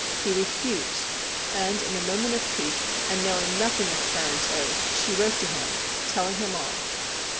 He refused, and in a moment of pique, and knowing nothing of Carron's oath, she wrote to him, telling him all.